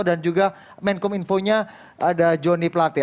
dan juga menkom infonya ada jonny plate